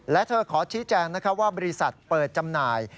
และเธอขอชี้แจงว่าบริษัทเปิดจำหน่าย